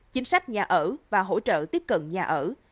chính sách nhà ở và hỗ trợ tiếp cận nhà ở